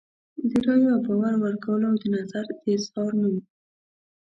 د رایې او باور ورکولو او د نظر د اظهار نوم دی.